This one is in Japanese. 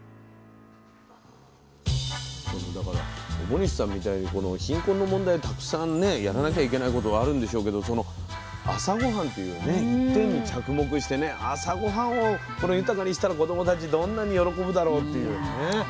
表西さんみたいにこの貧困の問題たくさんねやらなきゃいけないことあるんでしょうけど朝ごはんというね一点に着目してね朝ごはんを豊かにしたら子どもたちどんなに喜ぶだろうっていうね。